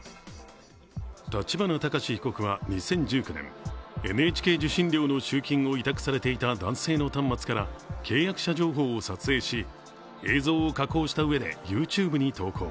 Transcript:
立花孝志被告は２０１９年、ＮＨＫ受信料を委託されていた男性の端末から契約者情報を撮影し、映像を加工したうえでＹｏｕＴｕｂｅに投稿。